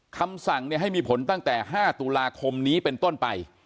คำสั่งให้มีผลตั้งแต่๕ตุลาคมนี้เป็นต้นไป